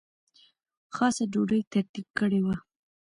خاصه ډوډۍ ترتیب کړې وه.